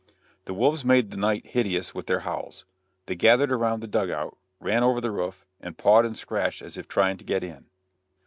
The wolves made the night hideous with their howls; they gathered around the dug out; ran over the roof; and pawed and scratched as if trying to get in.